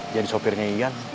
jadi sopirnya iyan